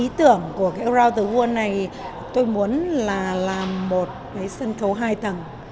ý tưởng của ground the wall này tôi muốn là làm một sân khấu hai tầng